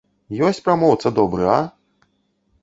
Ёсць прамоўца добры, а?